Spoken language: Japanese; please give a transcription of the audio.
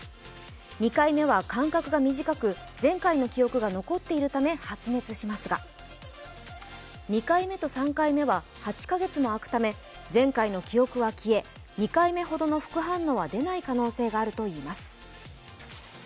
２回目は間隔が短く前回の記憶が残っているため発熱しますが、２回目と３回目は８カ月もあくため前回の記憶は消え２回目ほどの副反応は出ない可能性があるといいます。